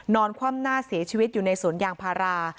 คว่ำหน้าเสียชีวิตอยู่ในสวนยางพารา